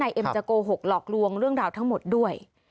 เอ็มจะโกหกหลอกลวงเรื่องราวทั้งหมดด้วย